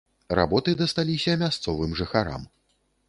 Работы дасталіся мясцовым жыхарам.